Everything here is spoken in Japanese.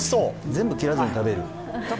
全部切らずに食べる。